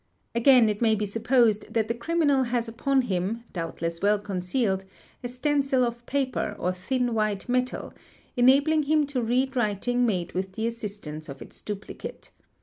Again it may be supposed —| that the criminal has upon him, doubtless well concealed, a stencil of paper or thin white metal, enabling him to read writing made with the assistance of its duplicate.